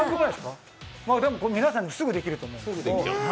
皆さんもすぐできると思います。